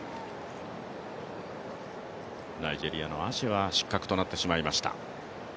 ナイジェリアのアシェは失格となってしまいました。